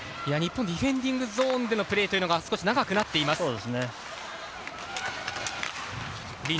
日本ディフェンディングゾーンのプレーというのが少し長くなっています。